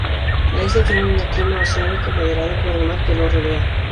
La isla tiene un clima oceánico moderado por el mar que lo rodea.